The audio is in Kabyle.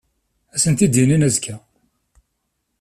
Ad sent-d-inin azekka.